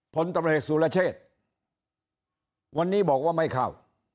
พตรสุรเชษฐ์วันนี้บอกว่าไม่เข้า